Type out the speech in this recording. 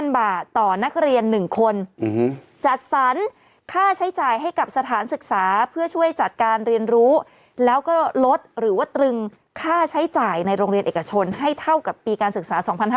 บาทต่อนักเรียน๑คนจัดสรรค่าใช้จ่ายให้กับสถานศึกษาเพื่อช่วยจัดการเรียนรู้แล้วก็ลดหรือว่าตรึงค่าใช้จ่ายในโรงเรียนเอกชนให้เท่ากับปีการศึกษา๒๕๕๙